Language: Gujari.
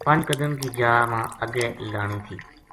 پنج قدم کی جا ما اگے لانی تھی۔